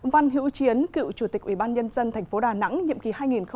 văn hữu chiến cựu chủ tịch ubnd thành phố đà nẵng nhiệm kỳ hai nghìn một mươi một hai nghìn một mươi bốn